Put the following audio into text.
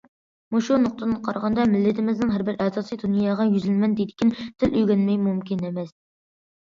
مۇشۇ نۇقتىدىن قارىغاندا، مىللىتىمىزنىڭ ھەربىر ئەزاسى دۇنياغا يۈزلىنىمەن دەيدىكەن، تىل ئۆگەنمەي مۇمكىن ئەمەس.